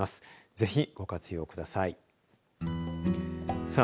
ぜひご活用ください。